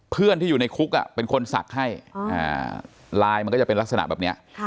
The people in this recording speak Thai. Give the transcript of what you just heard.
เพื่อนที่อยู่ในคุกเป็นคนศักดิ์ให้ไลน์มันก็จะเป็นลักษณะแบบนี้